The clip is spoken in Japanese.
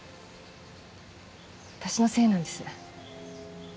私のせいなんです。